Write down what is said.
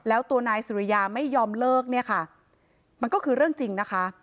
แล้วตัวนายสุริยาไม่ยอมเลิกเนี่ยค่ะมันก็คือเรื่องจริงนะคะ